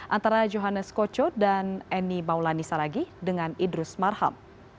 antara johannes koco dan eni maulani saragi dengan idrus marham